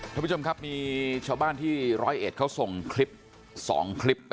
ท่านผู้ชมครับมีชาวบ้านที่ร้อยเอ็ดเขาส่งคลิป๒คลิป